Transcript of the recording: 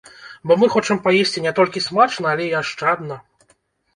Бо мы хочам паесці не толькі смачна, але і ашчадна.